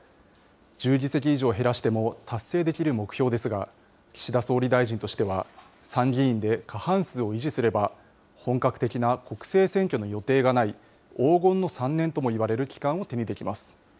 １０議席以上減らしても達成できる目標ですが、岸田総理大臣としては、参議院で過半数を維持すれば、本格的な国政選挙の予定がない、黄金の３年ともいわれる期間を手にできます。